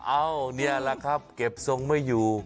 นี่แหละครับเก็บทรงไม่อยู่